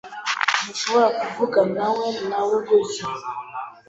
Ntushobora kuvuganawe nawe gutya.